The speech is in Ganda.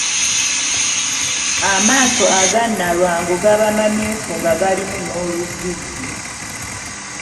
Amaaso aga Nnalwango gaba mamyufu nga galimu n’oluzzizzi.